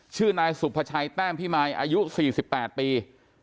ชื่อนายสุภาชัยแต้มพิมายอายุ๔๘ปี